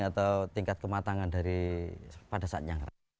atau tingkat kematangan dari pada saatnya